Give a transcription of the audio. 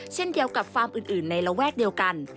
เช่นเดียวกับฟาร์มอื่นในระแวกเดียวกัน